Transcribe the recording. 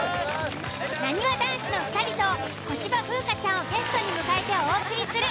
［なにわ男子の２人と小芝風花ちゃんをゲストに迎えてお送りする］